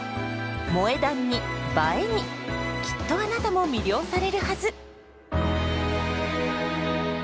「萌え断」に「映え」にきっとあなたも魅了されるはず！